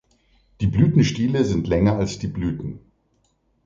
Die Blütenstiele sind länger als die Blüten.